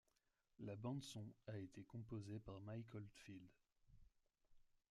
La bande-son a été composée par Mike Oldfield.